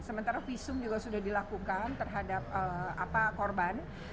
sementara visum juga sudah dilakukan terhadap korban